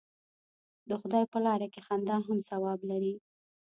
د خدای په لاره کې خندا هم ثواب لري.